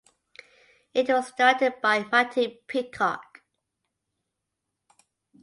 It was directed by Matty Peacock.